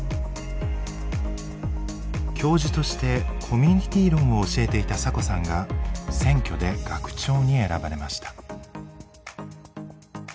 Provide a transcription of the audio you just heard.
教授としてコミュニティー論を教えていたサコさんが選挙で学長に選ばれました。